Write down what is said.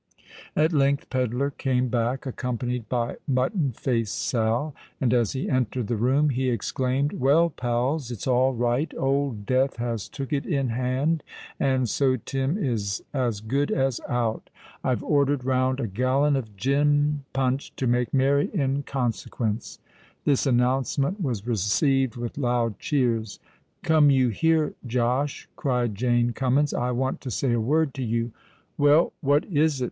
At length Pedler came back, accompanied by Mutton Face Sal; and, as he entered the room, he exclaimed, "Well, pals, it's all right! Old Death has took it in hand—and so Tim is as good as out. I've ordered round a gallon of gin punch to make merry in consequence." This announcement was received with loud cheers. "Come you here, Josh," cried Jane Cummins: "I want to say a word to you." "Well—what is it?"